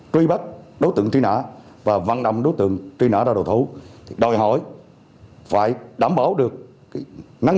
truy bắt đối tượng truy nã và văn động đối tượng truy nã ra đồ thú đòi hỏi phải đảm bảo được năng